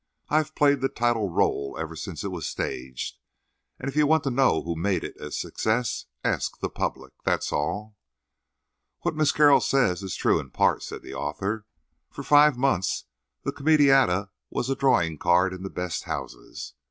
I've played the title rôle ever since it was staged, and if you want to know who made it a success, ask the public—that's all." "What Miss Carroll says is true in part," said the author. "For five months the comedietta was a drawing card in the best houses.